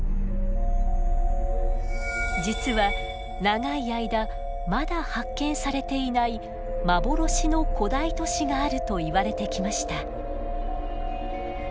実は長い間まだ発見されていない幻の古代都市があるといわれてきました。